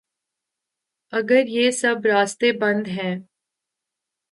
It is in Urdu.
اگریہ سب راستے بند ہیں۔